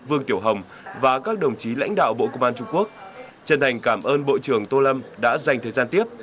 vương tiểu hồng và các đồng chí lãnh đạo bộ công an trung quốc chân thành cảm ơn bộ trưởng tô lâm đã dành thời gian tiếp